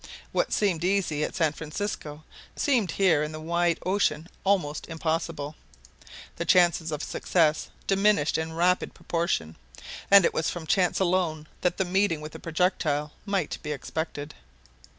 What seemed easy at San Francisco, seemed here in the wide ocean almost impossible. The chances of success diminished in rapid proportion; and it was from chance alone that the meeting with the projectile might be expected.